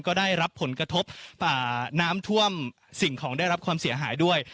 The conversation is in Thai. ก็ได้รับผลกระทบน้ำท่วมสิ่งของได้รับความเสียหายด้วย